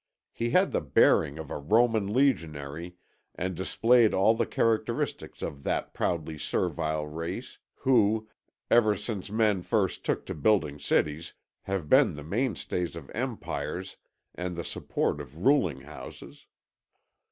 He had the bearing of a Roman legionary and displayed all the characteristics of that proudly servile race, who, ever since men first took to building cities, have been the mainstay of Empires and the support of ruling houses.